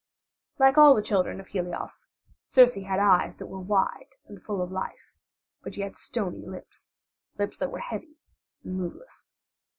Like all the children of Helios, Circe had eyes that were wide and full of life, but she had stony lips lips that were heavy and moveless.